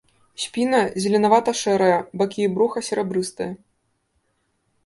Спіна зеленавата-шэрая, бакі і бруха серабрыстыя.